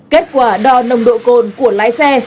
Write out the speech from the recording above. kết quả đo nồng độ cồn của lái xe